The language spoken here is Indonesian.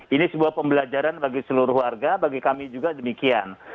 ini sebuah pembelajaran bagi seluruh warga bagi kami juga demikian